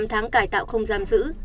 một mươi tám tháng cải tạo không giam giữ